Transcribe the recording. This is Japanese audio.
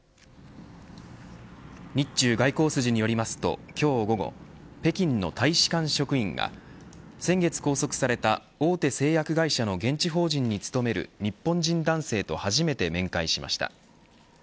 日中外交筋によりますと今日午後北京の大使館職員が先月拘束された、大手製薬会社の現地法人に勤める日本人男性と初めて面会しました。